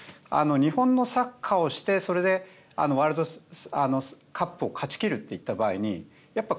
日本のサッカーをしてワールドカップを勝ちきるっていった場合にやっぱ。